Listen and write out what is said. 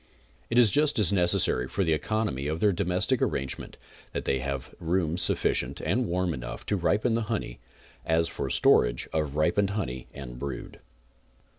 It is just as necessary for the economy of their domestic arrangement that they have room sufficient and warm enough to ripen the honey, as for storage of ripened honey and brood.